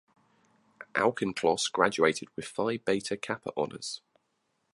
Auchincloss graduated with Phi Beta Kappa honors.